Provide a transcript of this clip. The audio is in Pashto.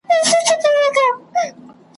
توتکۍ خبره راوړله پر شونډو ,